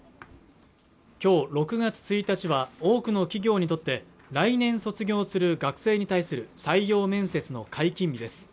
今日６月１日は多くの企業にとって来年卒業する学生に対する採用面接の解禁日です